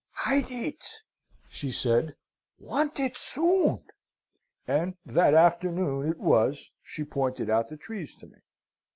'Hide it' she said; 'want it soon.' And that afternoon it was, she pointed out the trees to me.